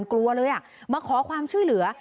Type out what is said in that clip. กลัวเลยมาขอความช่วยเหลือ